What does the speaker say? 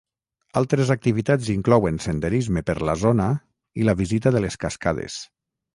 Altres activitats inclouen senderisme per la zona i la visita de les cascades.